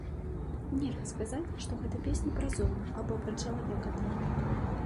Нельга сказаць, што гэта песні пра зону або пра чалавека там.